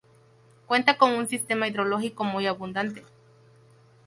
Cuenta con un sistema hidrológico muy abundante.